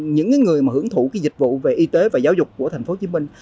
những người hưởng thụ dịch vụ về y tế và giáo dục của thành phố hồ chí minh